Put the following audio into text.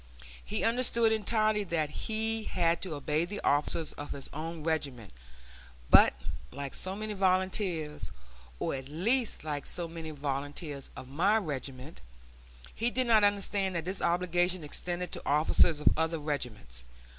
He understood entirely that he had to obey the officers of his own regiment, but, like so many volunteers, or at least like so many volunteers of my regiment, he did not understand that this obligation extended to officers of other regiments.